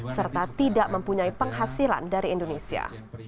serta tidak mempunyai penghasilan dari indonesia